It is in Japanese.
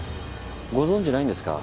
ご存じないんですか？